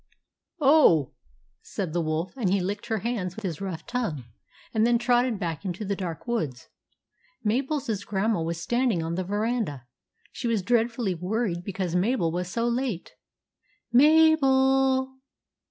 "Oh!" said the wolf; and he licked her hands with his rough tongue, and then trotted back into the dark woods. Mabel's Grandma was standing on the verandah. She was dreadfully worried be cause Mabel was so late. "Mabel!